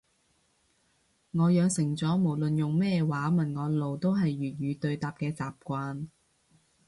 我養成咗無論用咩話問我路都係粵語對答嘅習慣